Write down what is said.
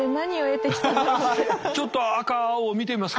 ちょっと赤青見てみますか。